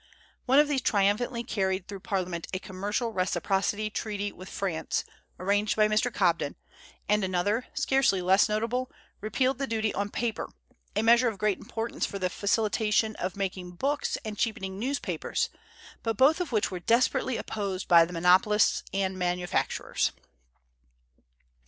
One of these triumphantly carried through Parliament a commercial reciprocity treaty with France, arranged by Mr. Cobden; and another, scarcely less notable, repealed the duty on paper, a measure of great importance for the facilitation of making books and cheapening newspapers, but both of which were desperately opposed by the monopolists and manufacturers.